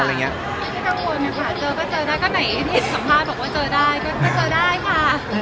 ไม่ได้กังวลนะคะเจอก็เจอได้ก็ไหนเห็นสัมภาษณ์บอกว่าเจอได้ก็เจอได้ค่ะ